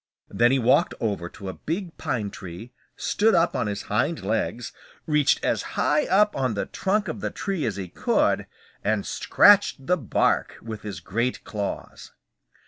Then he walked over to a big pine tree, stood up on his hind legs, reached as high up on the trunk of the tree as he could, and scratched the bark with his great claws.